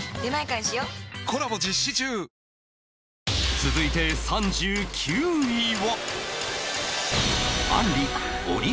続いて３９位は